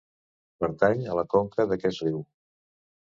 Pertany a la conca d'aquest riu.